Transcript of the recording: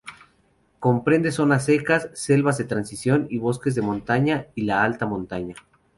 Comprende zonas secas, selvas de transición, y bosques de montaña y alta montaña.